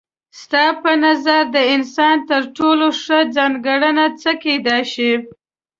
ستا په نظر د انسان تر ټولو ښه ځانګړنه څه کيدای شي؟